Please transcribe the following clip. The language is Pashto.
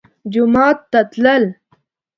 جومات ته تلل